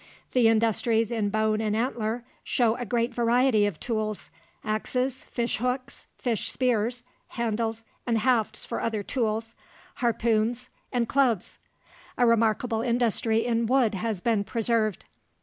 The industries in bone and antler show a great variety of tools: axes, fish hooks, fish spears, handles and hafts for other tools, harpoons, and clubs. A remarkable industry in wood has been preserved.